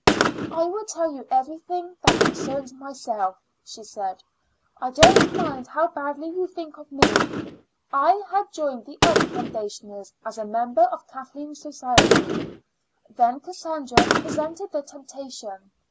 "I will tell you everything that concerns myself," she said. "I don't mind how badly you think of me. I had joined the other foundationers as a member of Kathleen's society. Then Cassandra presented the temptation.